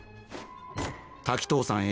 滝藤さん